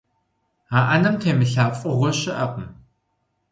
А ӏэнэм темылъа фӀыгъуэ щыӀэкъым.